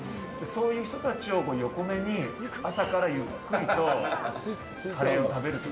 そういう人たちを横目に、朝からゆっくりとカレーを食べると。